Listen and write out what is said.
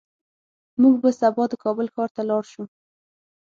موږ به سبا د کابل ښار ته لاړ شو